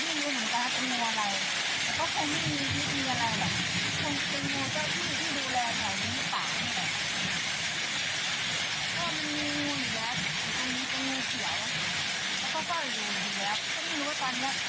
มีงูเขียว